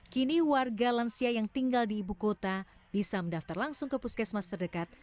kini warga lansia yang tinggal di ibu kota bisa mendaftar langsung ke puskesmas terdekat